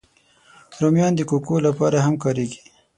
رومیان د کوکو لپاره هم کارېږي